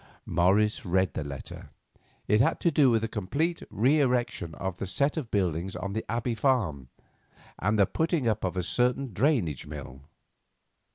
Morris read the letter. It had to do with the complete reerection of a set of buildings on the Abbey farm, and the putting up of a certain drainage mill.